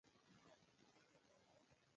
د ناوې خورلڼې سپین زري جامې اغوستې وې.